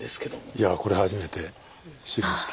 いやこれ初めて知りました。